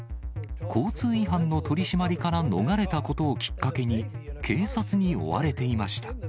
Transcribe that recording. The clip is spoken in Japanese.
交通違反の取締りから逃れたことをきっかけに、警察に追われていました。